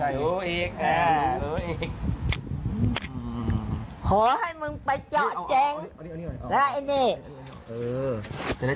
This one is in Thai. รู้อีกนะจะรู้อีกขอให้มึงไปจ็อเจ๊ง